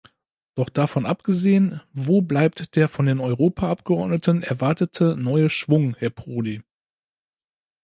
Doch davon abgesehen, wo bleibt der von den Europaabgeordneten erwartete neue Schwung, Herr Prodi?